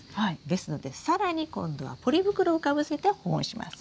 ですので更に今度はポリ袋をかぶせて保温します。